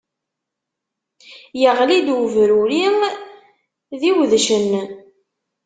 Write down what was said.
Iɣli-d ubruri d iwedcen!